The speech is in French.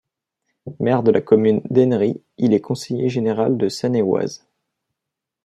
Maire de la commune d'Ennery, il est conseiller général de Seine-et-Oise.